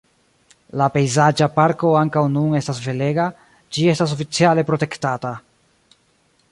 La pejzaĝa parko ankaŭ nun estas belega, ĝi estas oficiale protektata.